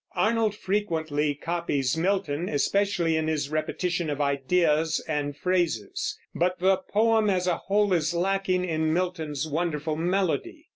Arnold frequently copies Milton, especially in his repetition of ideas and phrases; but the poem as a whole is lacking in Milton's wonderful melody.